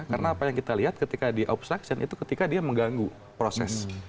karena apa yang kita lihat ketika di obstruction itu ketika dia mengganggu proses